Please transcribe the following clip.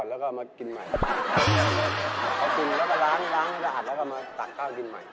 เอากินแล้วก็ล้างอาหัสแล้วก็มาตัวข้าวกินใหม่